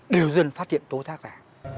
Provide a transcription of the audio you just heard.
đều dần phát hiện tố thác rẻ